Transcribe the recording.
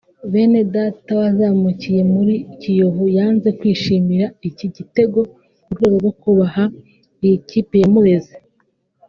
Benedata wazamukiye muri Kiyovu yanze kwishimira iki gitego mu rwego rwo kubaha iyi kipe yamureze